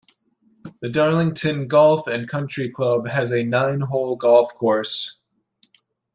The Darlington Golf and Country Club has a nine-hole golf course.